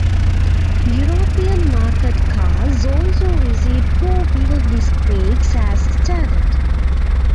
European market cars also received four-wheel disc brakes as standard.